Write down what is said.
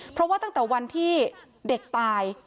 เพราะว่าตั้งแต่วันที่เด็กตาย